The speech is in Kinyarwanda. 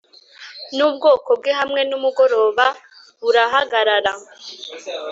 nubwoko bwe hamwe nimugoroba burahagarara